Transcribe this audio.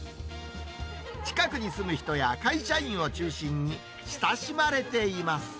近くに住む人や会社員を中心に、親しまれています。